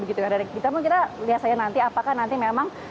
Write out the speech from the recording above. kita mau lihat saja nanti apakah nanti memang